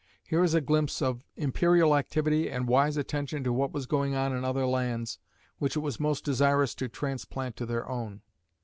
Here is a glimpse of imperial activity and wise attention to what was going on in other lands which it was most desirous to transplant to their own.